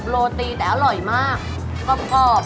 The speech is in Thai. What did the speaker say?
ขอบคุณครับ